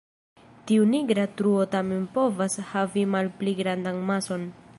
Tiu nigra truo tamen povas havi malpli grandan mason.